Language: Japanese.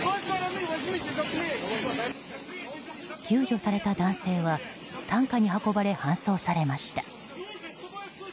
救助された男性は担架に運ばれ搬送されました。